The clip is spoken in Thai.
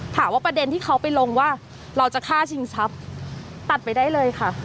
ประเด็นที่เขาไปลงว่าเราจะฆ่าชิงทรัพย์ตัดไปได้เลยค่ะ